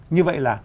như vậy là